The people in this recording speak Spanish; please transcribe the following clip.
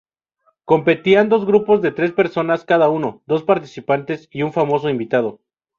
Competían dos grupos de tres personas cada uno: dos participantes y un famoso invitado.